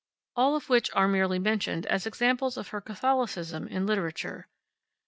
All of which are merely mentioned as examples of her catholicism in literature.